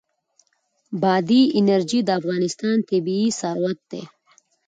بادي انرژي د افغانستان طبعي ثروت دی.